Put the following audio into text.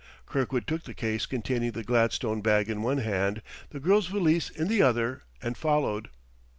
Kirkwood took the case containing the gladstone bag in one hand, the girl's valise in the other, and followed.